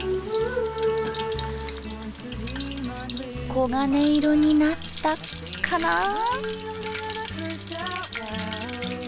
黄金色になったかなぁ？